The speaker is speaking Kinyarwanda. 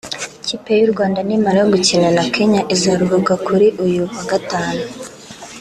Ikipe y’u Rwanda nimara gukina na Kenya izaruhuka kuri uyu wa gatanu